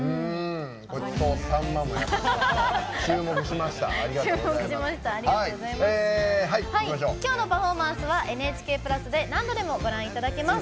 「ごちそうさんま」もやってくれて今日のパフォーマンスは「ＮＨＫプラス」で何度でもご覧いただけます。